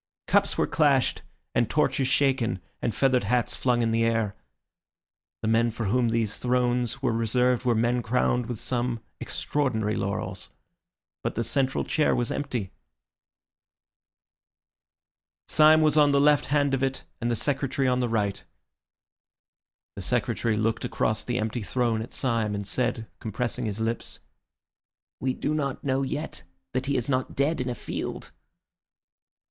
Cups were clashed and torches shaken, and feathered hats flung in the air. The men for whom these thrones were reserved were men crowned with some extraordinary laurels. But the central chair was empty. Syme was on the left hand of it and the Secretary on the right. The Secretary looked across the empty throne at Syme, and said, compressing his lips— "We do not know yet that he is not dead in a field."